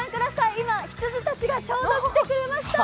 今、羊たちがちょうど来てくれました。